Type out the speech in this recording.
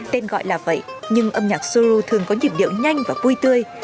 tên gọi là vậy nhưng âm nhạc sô lô thường có nhịp điệu nhanh và vui tươi